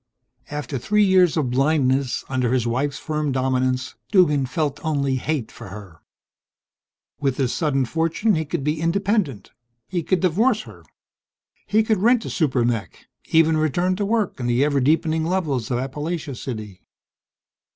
After three years of blindness, under his wife's firm dominance, Duggan felt only hate for her. With this sudden fortune he could be independent. He could divorce her. He could rent a super mech even return to work in the ever deepening levels of Appalachia City!